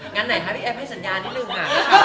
งานไหนคะพี่แอฟให้สัญญาณที่ลืมหา